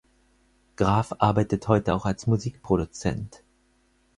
Graf arbeitet heute auch als Musikproduzent.